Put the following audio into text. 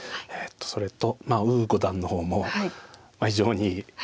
それと呉五段の方も非常に。